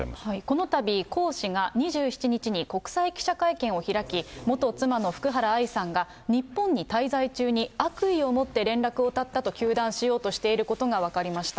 このたび江氏が、２７日に国際記者会見を開き、元妻の福原愛さんが日本に滞在中に悪意を持って連絡を絶ったと糾弾しようとしていることが分かりました。